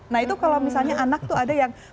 nah itu kalau misalnya anak tuh ada yang